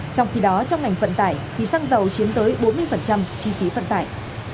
trong khi đó trong ngành phận tải thì xăng dầu chiếm tới bốn mươi chi phí phận tải